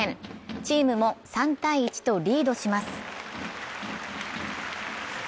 チームも３−１とリードします。